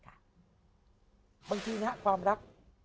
บางทีนะครับความรัก